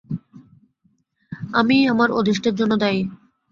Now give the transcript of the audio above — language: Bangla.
আমিই আমার অদৃষ্টের জন্য দায়ী।